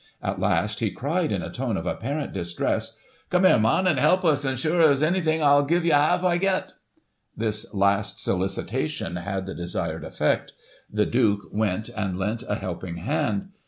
At last, he cried in a tone of apparent distress ;' Come here, mun, an' help us, an' as sure as ony thing, I'll give ye half I get.' This last solicitation had the desired effect The Duke went and lent a helping hand.